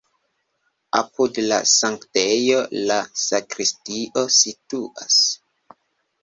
Apud la sanktejo la sakristio situas.